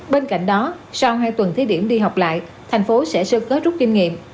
bên cạnh đó sau hai tuần thí điểm đi học lại thành phố sẽ sơ kết rút kinh nghiệm